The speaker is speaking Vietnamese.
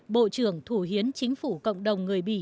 bộ trưởng thủ hiến chính phủ cộng đồng người bỉ